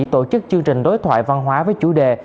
tổ chức chương trình đối thoại văn hóa với chủ đề